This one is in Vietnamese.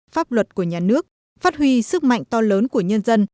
pháp luật của nhà nước phát huy sức mạnh to lớn của nhân dân